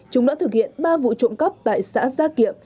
chúng đã thực hiện ba vụ trộm cắp tại xã gia kiệm